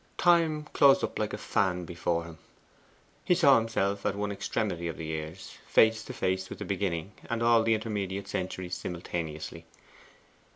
Time closed up like a fan before him. He saw himself at one extremity of the years, face to face with the beginning and all the intermediate centuries simultaneously.